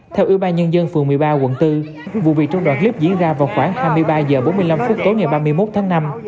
theo ủy ban nhân dân phường một mươi ba quận bốn vụ việc trong đoạn clip diễn ra vào khoảng hai mươi ba h bốn mươi năm phút tối ngày ba mươi một tháng năm